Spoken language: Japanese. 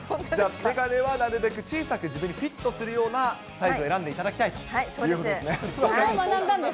眼鏡はなるべく小さく、自分にフィットするようなサイズを選んでいただきたいということそうです。